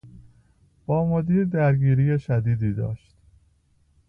با مدیر درگیری شدیدی داشت.